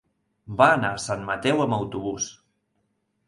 Va anar a Sant Mateu amb autobús.